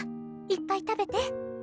いっぱい食べて。